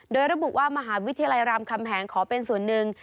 โดยระบุว่ามหาวิทยาลัยรามคำแหงขอเป็นส่วนหนึ่ง